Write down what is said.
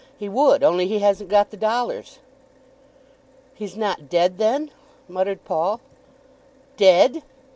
He would, only he hasn't got the dollars." "He's not dead then?" muttered Paul. "Dead!